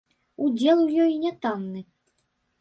Удзел у ёй нятанны.